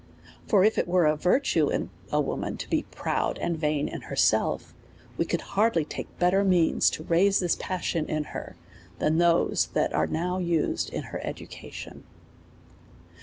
For if it were a virtue in a wo man to be proud and vain in herself, we could hardly take better means to raise this passion in her, than those that are now U8cd in her education.